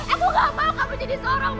aku gak mau kamu jadi seorang pembunuh